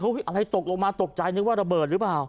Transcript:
อะไรตกลงมาตกใจนึกว่าระเบิดหรือเปล่า